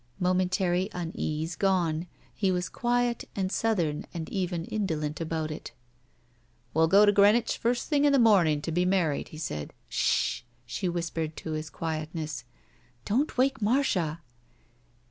Momentary unease gone, he was quiet and Southern and even indolent about it. We*ll go to Greenwich first thing in the morning and be married,'' he said. "Sh h h!" she whispered to his quietness. "Don't wake Marcia."